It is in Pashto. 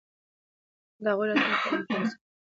د هغوی راتلونکی په امن کې وساتئ.